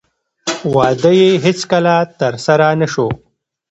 واده یې هېڅکله ترسره نه شو